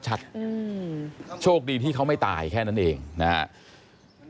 โชคดีที่เขาไม่ตายแค่นั้นเองนะครับ